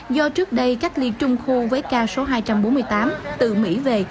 do trước đây cách ly trung khu với ca số hai trăm bốn mươi tám từ mỹ về